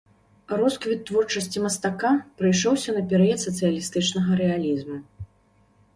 Росквіт творчасці мастака прыйшоўся на перыяд сацыялістычнага рэалізму.